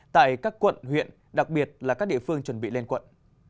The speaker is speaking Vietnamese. tại các quận huyện đặc biệt là các địa phương chuẩn bị lên quận